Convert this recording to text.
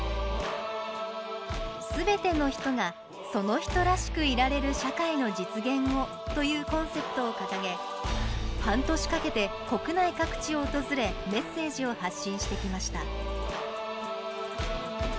全ての人がその人らしくいられる社会の実現をというコンセプトを掲げ半年かけて国内各地を訪れメッセージを発信してきました。